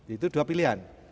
itu dua pilihan